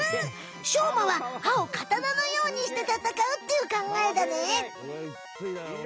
しょうまは歯をカタナのようにしてたたかうっていうかんがえだね。